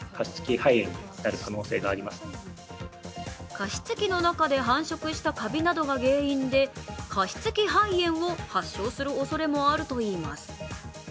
加湿器の中で繁殖したかびなどが原因で加湿器肺炎を発症するおそれもあるといいます